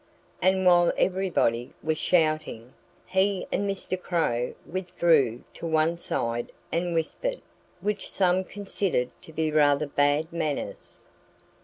And while everybody was shouting, he and Mr. Crow withdrew to one side and whispered, which some considered to be rather bad manners.